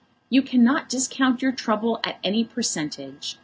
You cannot discount your trouble at any percentage.